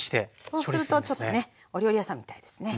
そうするとちょっとねお料理屋さんみたいですね。